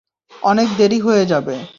অনেক দেরি হয়ে যাবে!